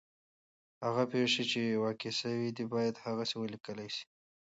هغه پېښې چي واقع سوي دي باید هغسي ولیکل سي.